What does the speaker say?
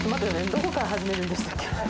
どこから始めるんでしたっけ？